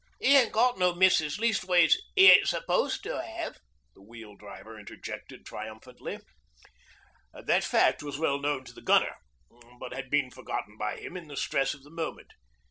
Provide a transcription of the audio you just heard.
'He ain't got no missis; leastways, 'e ain't supposed to 'ave,' the Wheel Driver interjected triumphantly. That fact was well known to the Gunner, but had been forgotten by him in the stress of the moment.